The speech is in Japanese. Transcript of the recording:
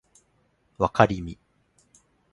わかりみ